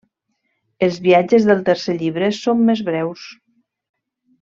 Els viatges del tercer llibre són més breus.